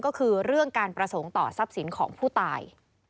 ก็คือเรื่องการประสงค์ต่อทรัพย์สินของผู้ตาย